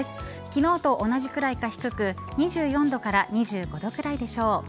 昨日と同じくらいか低く２４度から２５度くらいでしょう。